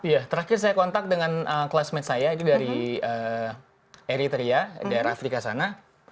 iya terakhir saya kontak dengan classmate saya itu dari eritrea daerah afrika sana